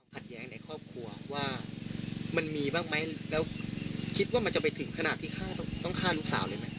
แย้งในครอบครัวว่ามันมีบ้างไหมแล้วคิดว่ามันจะไปถึงขนาดที่ต้องฆ่าลูกสาวเลยไหม